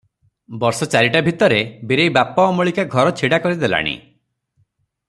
ବର୍ଷଚାରିଟା ଭିତରେ ବୀରେଇ ବାପ ଅମଳିକା ଘର ଛିଡ଼ା କରିଦେଲାଣି ।